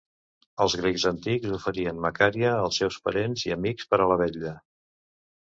Els grecs antics oferien "macària" als seus parents i amics per a la vetlla.